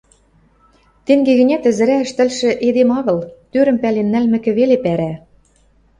Тенге гӹнят ӹзӹрӓ ӹштӹлшӹ эдем агыл, тӧрӹм пӓлен нӓлмӹкӹ веле пӓрӓ.